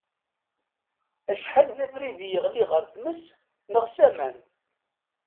Acḥal d abrid i yeɣli ɣer tmes neɣ s aman.